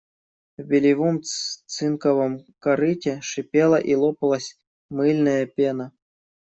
В бельевом цинковом корыте шипела и лопалась мыльная пена.